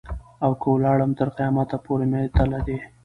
او که ولاړم تر قیامت پوري مي تله دي.